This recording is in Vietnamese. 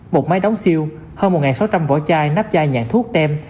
một máy đóng siêu hơn một sáu trăm linh vỏ chai nắp chai nhãn thuốc tem